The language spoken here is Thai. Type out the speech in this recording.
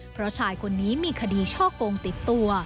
เพราะชายคนนี้มีคดีช่อกงติดตัว